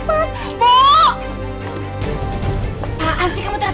apaan sih kamu terang terang